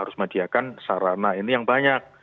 harus menyediakan sarana ini yang banyak